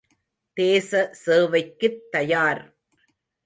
தேச சேவைக்குத் தயார்!